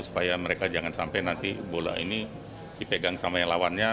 supaya mereka jangan sampai nanti bola ini dipegang sama yang lawannya